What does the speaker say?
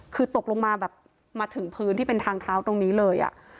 คือตกลงมาแบบมาถึงพื้นที่เป็นทางเท้าตรงนี้เลย